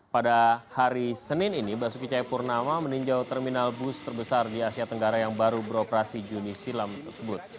pada hari senin ini basuki cahayapurnama meninjau terminal bus terbesar di asia tenggara yang baru beroperasi juni silam tersebut